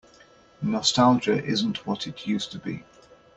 Nostalgia isn't what it used to be.